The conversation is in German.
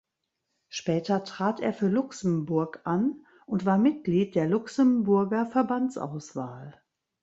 Später trat er für Luxemburg an und war Mitglied der Luxemburger Verbandsauswahl.